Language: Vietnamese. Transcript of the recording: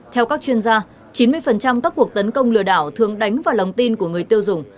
theo các chuyên gia chín mươi các cuộc tấn công lừa đảo thường đánh vào lòng tin của người tiêu dùng